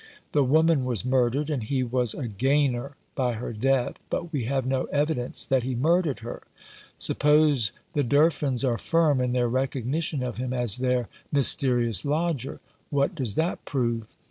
The woman was murdered, and he was a gainer by her death ; but we have no evidence that he murdered her. Suppose the Durfins are firm in their recognition of him as their mysterious lodger. What does that prove